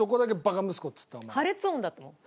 破裂音だったもん。